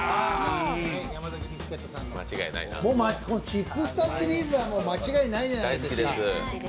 チップスターシリーズは、もう間違いないじゃないですか。